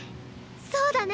そうだね！